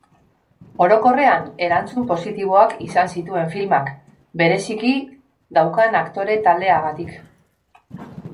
Orokorrean erantzun positiboak izan zituen filmak, bereziki daukan aktore taldeagatik.